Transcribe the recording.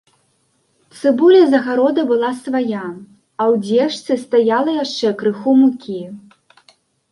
Цыбуля з агарода была свая, а ў дзежцы стаяла яшчэ крыху мукі.